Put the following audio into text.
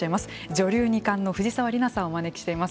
女流二冠の藤沢里菜さんをお招きしています。